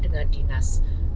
dengan dinas pekerjaan umum